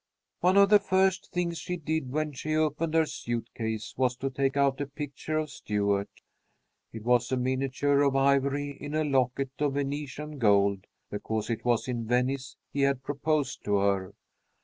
"One of the first things she did when she opened her suit case was to take out a picture of Stuart. It was a miniature on ivory in a locket of Venetian gold, because it was in Venice he had proposed to her.